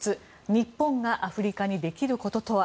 日本がアフリカにできることとは？